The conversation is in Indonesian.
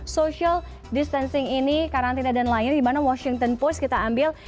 social distancing ini karantina dan lainnya di mana washington post kita ambil